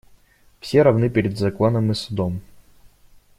Все равны перед законом и судом.